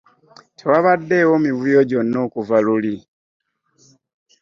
Tewabadde mivuyo gyonna okuva luli.